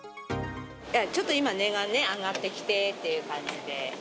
ちょっと今値がね、上がってきてという感じで。